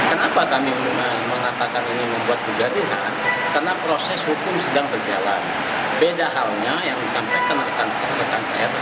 almarhum vina ini kasusnya belum final dan masih dalam proses penegakan hukum